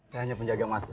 saya hanya penjaga masjid